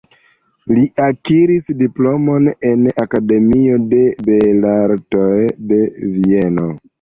Li akiris diplomon en Akademio de Belartoj de Vieno.